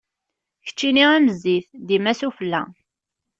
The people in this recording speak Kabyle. Keččini am zzit, dima s ufella.